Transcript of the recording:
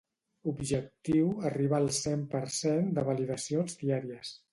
Objectiu arribar al cent per cent de validacions diàries.